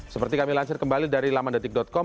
seperti kami lansir kembali dari lamandetik com